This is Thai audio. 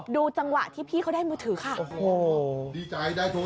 ดูจังหวะที่พี่เขาได้มือถือค่ะ